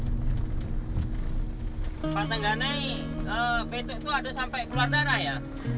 pak tenggane betuk itu ada sampai keluar darah ya